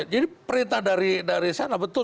jadi perintah dari sana betul